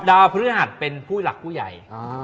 พฤหัสเป็นผู้หลักผู้ใหญ่